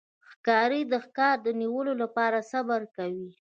ښکاري د ښکار د نیولو لپاره صبر کوي.